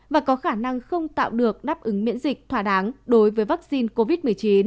và có khả năng không tạo được đáp ứng miễn dịch thỏa đáng đối với vaccine covid một mươi chín